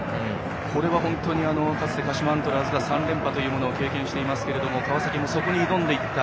これは、かつて鹿島アントラーズが３連覇を経験していますが川崎もそこに挑んでいった。